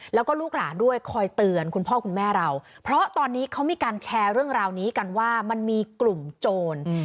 แล้วก็ลูกหลานด้วยคอยเตือนคุณพ่อคุณแม่เราเพราะตอนนี้เขามีการแชร์เรื่องราวนี้กันว่ามันมีกลุ่มโจร